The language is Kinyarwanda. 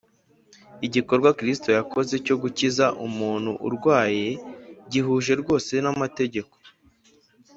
. Igikorwa Kristo yakoze cyo gukiza umuntu urwaye gihuje rwose n’amategeko.